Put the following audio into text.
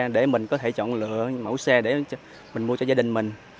để mình có thể chọn lựa mẫu xe để mình mua cho gia đình mình